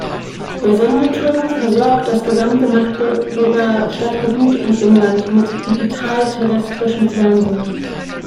Der Sendeturm versorgt das gesamte Magdeburger Stadtgebiet und Umland mit digital-terrestrischem Fernsehen.